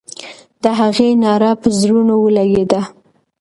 د هغې ناره پر زړونو ولګېده.